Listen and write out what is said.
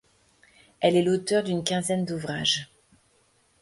Elle est l'auteur d'une quinzaine d'ouvrages.